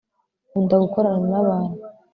Nkunda gukorana nabantu